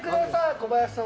小林さん